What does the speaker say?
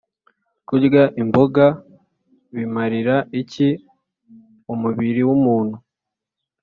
kurya imboga bimarira iki umubiri w’umuntu?